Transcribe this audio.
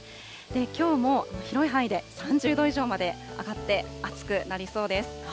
きょうも広い範囲で３０度以上まで上がって、暑くなりそうです。